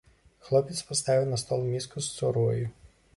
Хлопец паставіў на стол міску з цурою.